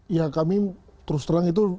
ya kami terus terang itu